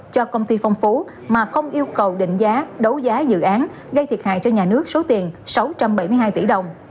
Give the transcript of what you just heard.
cho công ty phong phú mà không yêu cầu định giá đấu giá dự án gây thiệt hại cho nhà nước số tiền sáu trăm bảy mươi hai tỷ đồng